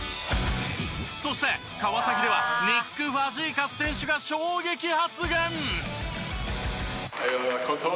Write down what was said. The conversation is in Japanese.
そして川崎ではニック・ファジーカス選手が衝撃発言！